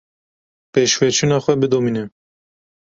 Pêşveçûna xwe bidomîne.